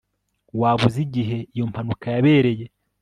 waba uzi igihe iyo mpanuka yabereye